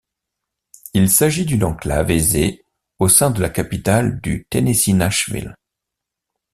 Il s'agit d'une enclave aisée au sein de la capitale du Tennessee Nashville.